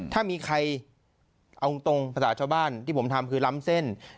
ถ้ามีใครเอาตรงภาษาชาวบ้านที่ผมทำคือล้ำเส้น